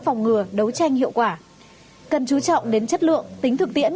phòng ngừa đấu tranh hiệu quả cần chú trọng đến chất lượng tính thực tiễn